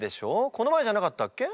この前じゃなかったっけ？